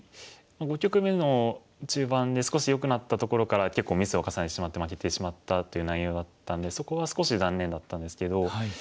五局目の中盤で少しよくなったところから結構ミスを重ねてしまって負けてしまったっていう内容だったんでそこは少し残念だったんですけど。